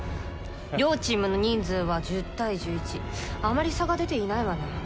両チームの人数は１０対１１あまり差が出ていないわね。